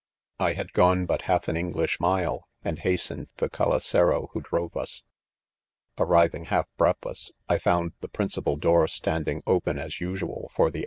"I had gone but half an English mile, and hastened the s calesero* who drove us* .. Arri ving half breathless,... I found the principal door standing open as usual for the